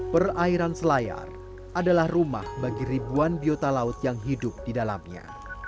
perairan selayar adalah rumah bagi ribuan biota laut yang hidup di dalamnya